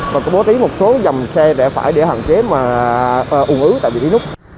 mình cũng bố trí một số dòng xe để phải để hạn chế mà ủng ứ tại vị trí nút